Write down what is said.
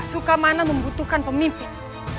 suka mana membutuhkan pemimpin